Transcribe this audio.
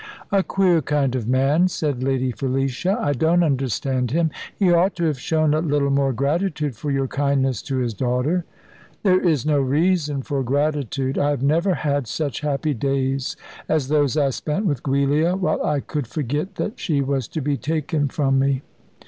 "A queer kind of man," said Lady Felicia. "I don't understand him. He ought to have shown a little more gratitude for your kindness to his daughter." "There is no reason for gratitude. I have never had such happy days as those I spent with Giulia, while I could forget that she was to be taken from me."